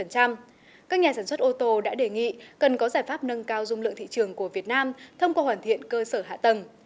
các nhà sản xuất ô tô đã đề nghị cần có giải pháp nâng cao dung lượng thị trường của việt nam thông qua hoàn thiện cơ sở hạ tầng